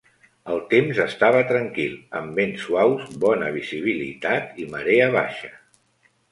El temps estava tranquil amb vents suaus, bona visibilitat i marea baixa.